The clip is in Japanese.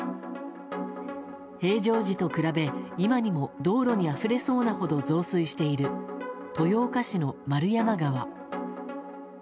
平常時と比べ、今にも道路にあふれそうなほど増水している豊岡市の円山川。